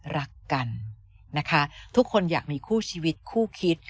รักกันนะคะทุกคนอยากมีคู่ชีวิตคู่คิด